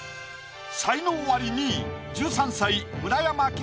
才能アリ２位１３歳村山輝